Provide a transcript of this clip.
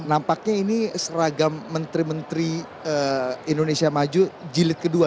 nampaknya ini seragam menteri menteri indonesia maju jilid kedua